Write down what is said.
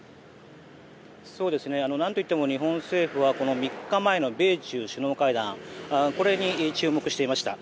何といっても日本政府は３日前の米中首脳会談これに注目していました。